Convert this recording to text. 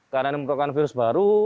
karena ini merupakan virus baru